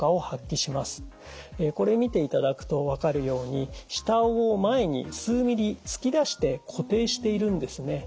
これ見ていただくと分かるように下あごを前に数ミリ突き出して固定しているんですね。